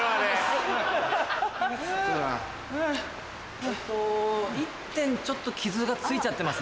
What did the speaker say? えっと一点ちょっと傷が付いちゃってますね。